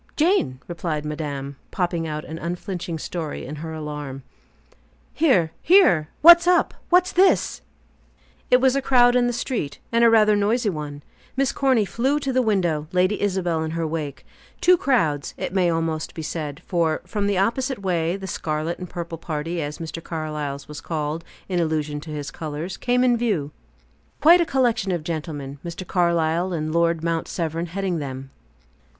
"Jane," replied madame, popping out an unflinching story in her alarm. "Here! Here! What's up? What's this?" It was a crowd in the street, and rather a noisy one. Miss Corny flew to the window, Lady Isabel in her wake. Two crowds, it may almost be said; for, from the opposite way, the scarlet and purple party as Mr. Carlyle's was called, in allusion to his colors came in view. Quite a collection of gentlemen Mr. Carlyle and Lord Mount Severn heading them.